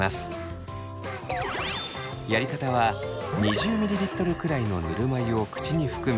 やり方は２０ｍｌくらいのぬるま湯を口に含み。